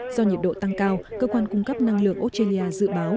do nhiệt độ tăng cao cơ quan cung cấp năng lượng australia dự báo